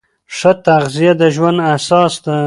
ښه تغذیه د ژوند اساس ده.